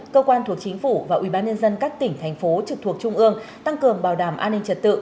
cơ quan thuộc chính phủ và ubnd các tỉnh thành phố trực thuộc trung ương tăng cường bảo đảm an ninh trật tự